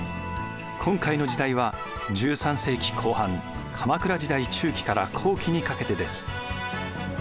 今回の時代は１３世紀後半鎌倉時代中期から後期にかけてです。